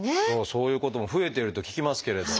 そういうことも増えてると聞きますけれど。